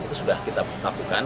itu sudah kita lakukan